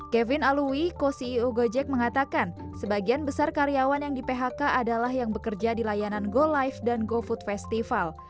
kevin alui co ceo gojek mengatakan sebagian besar karyawan yang di phk adalah yang bekerja di layanan go live dan gofood festival